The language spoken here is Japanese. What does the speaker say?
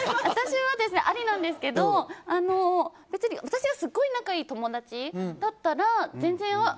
私は、ありなんですけど別に私がすごい仲いい友達だったら全然。